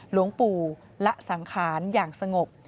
หลวงปู่ละสังขารอย่างสงบ